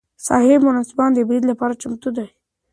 صاحب منصبان د برید لپاره چمتو دي.